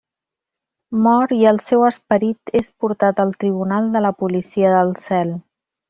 Mor, i el seu esperit és portat al tribunal de la policia del cel.